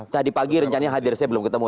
tadi pagi rencananya hadir saya belum ketemu